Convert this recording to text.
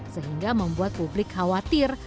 sehingga membuat publik khawatir